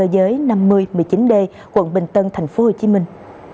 đăng kiểm xét cơ giới năm nghìn một mươi chín d quận bình tân thành phố hồ chí minh